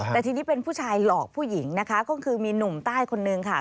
แต่ทีนี้เป็นผู้ชายหลอกผู้หญิงนะคะก็คือมีหนุ่มใต้คนนึงค่ะ